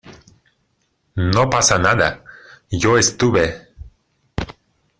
no pasa nada, yo estuve.